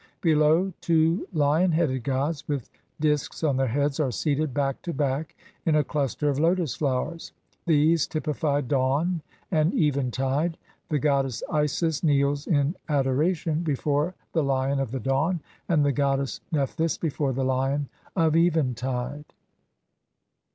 Below, two lion headed gods, with disks on their heads, are seated back to back in a cluster of lotus flowers ; these typify dawn and eventide. The goddess Isis kneels in adoration before the lion of the dawn, and the goddess Nephthys before the lion of eventide.